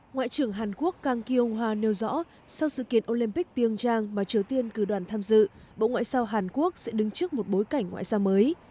ngoại trưởng hàn quốc cang kiêng hòa nêu rõ sau sự kiện olympic pyongyang mà triều tiên cử đoàn tham dự bộ ngoại giao hàn quốc sẽ đứng trước một bối cảnh ngoại giao mới